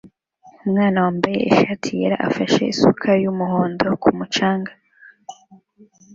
Umwana wambaye ishati yera afashe isuka y'umuhondo ku mucanga